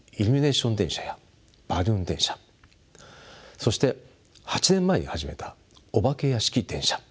そして８年前に始めたお化け屋敷電車。